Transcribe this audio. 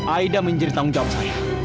aida menjadi tanggung jawab saya